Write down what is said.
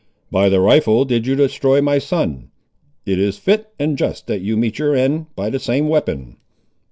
"By the rifle did you destroy my son; it is fit and just that you meet your end by the same weapon."